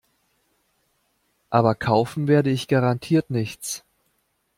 Aber kaufen werde ich garantiert nichts.